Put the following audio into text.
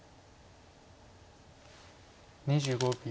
２５秒。